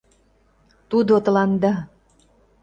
Тудо тыланда...